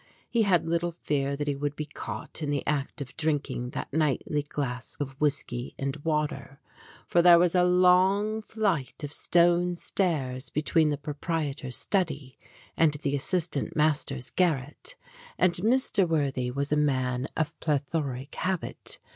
He had little fear that he would be caught in the act of drinking that nightly glass of whisky and water, for there was a long flight of stone stairs between the proprietor's study and the assistant master's garret ; and Mr. Worthy was a man 4 STORIES WITHOUT TEARS of plethoric habit.